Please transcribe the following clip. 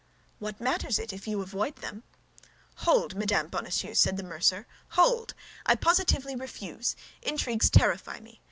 "What matters it, if you avoid them?" "Hold, Madame Bonacieux," said the mercer, "hold! I positively refuse; intrigues terrify me.